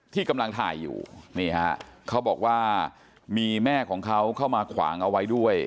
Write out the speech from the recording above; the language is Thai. ที่กำลังถ่ายอยู่นี่ฮะเขาบอกว่ามีแม่ของเขาเข้ามาขวางเอาไว้ด้วย